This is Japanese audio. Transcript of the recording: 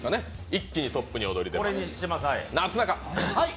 一気にトップに躍り出ます。